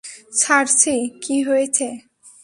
সার্সি, কী হয়েছে?